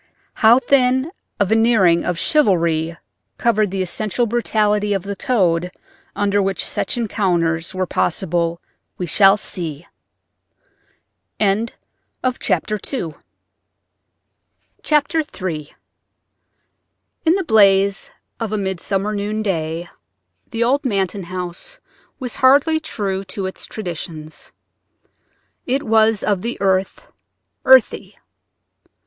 How thin a veneering of "chivalry" covered the essential brutality of the code under which such encounters were possible we shall see. III In the blaze of a midsummer noonday the old Manton house was hardly true to its traditions. It was of the earth, earthy.